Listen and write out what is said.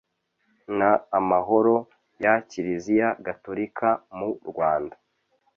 n amahoro ya Kiriziya Gatorika mu Rwanda